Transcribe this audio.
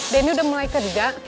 deni udah mulai kerja